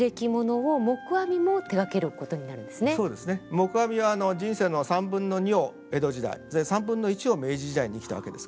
黙阿弥は人生の３分の２を江戸時代３分の１を明治時代に生きたわけです。